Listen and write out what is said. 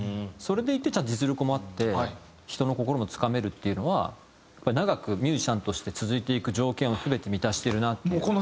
それでいてちゃんと実力もあって人の心もつかめるっていうのは長くミュージシャンとして続いていく条件を全て満たしてるなっていう。